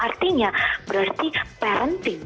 artinya berarti parenting